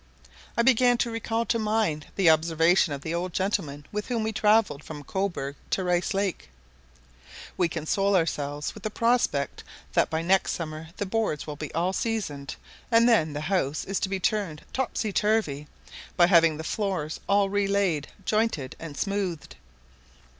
I began to recall to mind the observation of the old gentleman with whom we travelled from Cobourg to Rice Lake. We console ourselves with the prospect that by next summer the boards will all be seasoned, and then the house is to be turned topsy turvy, by having the floors all relaid, jointed, and smoothed.